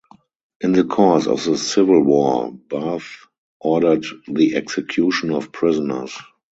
In the course of the civil war Barthe ordered the execution of prisoners.